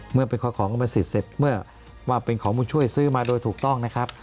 เมื่อไปขอของกรรมสิทธิ์เสร็จเมื่อว่าเป็นของบุญช่วยซื้อมาโดยถูกต้องนะครับ